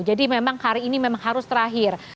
jadi memang hari ini memang harus terakhir